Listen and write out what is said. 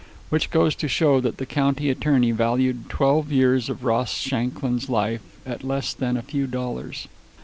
Which goes to show that the county attorney valued twelve years of Ross Shanklin's life at less than a few dollars.